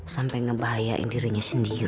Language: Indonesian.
sampai ngebahayain dirinya sendiri